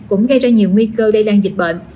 cũng gây ra nhiều nguy cơ lây lan dịch bệnh